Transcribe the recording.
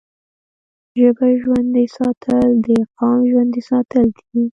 ژبه ژوندی ساتل د قام ژوندی ساتل دي.